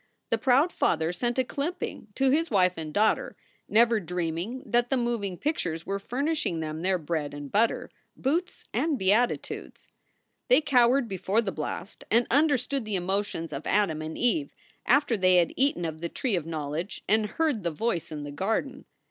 The proud father sent a clipping to his wife and daughter, never dreaming that the moving pictures were furnishing them their bread and butter, boots and beatitudes. They cowered before the blast and understood the emo tions of Adam and Eve after they had eaten of the tree of knowledge and heard the Voice in the garden.